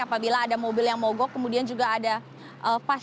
apabila ada mobil yang mogok kemudian juga ada fasilitas berupa ambulans